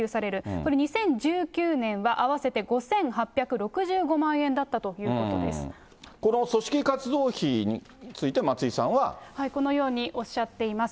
これ、２０１９年は合わせて５８この組織活動費について、松このようにおっしゃっています。